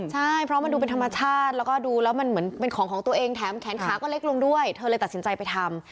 ใช่เพราะมันดูเป็นธรรมชาติแล้วก็ดูแล้วมันเหมือนเป็นของของตัวเองแถมแขนขาก็เล็กลงด้วยเธอเลยตัดสินใจไปทำ